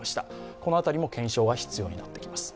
この辺りも検証が必要になってきます。